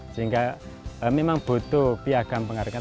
sehingga memang butuh pihak yang menghargai